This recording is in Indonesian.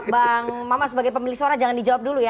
bang maman sebagai pemilik suara jangan dijawab dulu ya